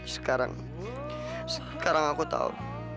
sekarang sekarang aku tahu